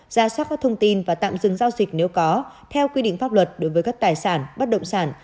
ra soát các thông tin và tạm dừng giao dịch nếu có theo quy định pháp luật đối với các tài sản bất động sản